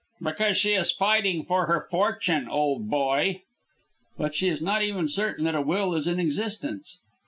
"Because she is fighting for her fortune, old boy." "But she is not even certain that a will is in existence."